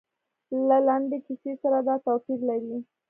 له لنډې کیسې سره دا توپیر لري.